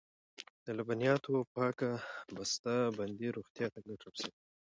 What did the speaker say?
د لبنیاتو پاکه بسته بندي روغتیا ته ګټه رسوي.